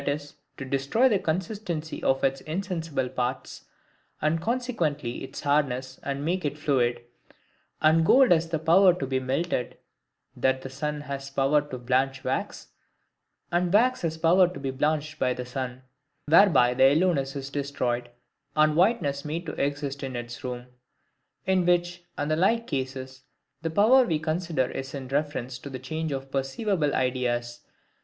e. to destroy the consistency of its insensible parts, and consequently its hardness, and make it fluid; and gold has a power to be melted; that the sun has a power to blanch wax, and wax a power to be blanched by the sun, whereby the yellowness is destroyed, and whiteness made to exist in its room. In which, and the like cases, the power we consider is in reference to the change of perceivable ideas.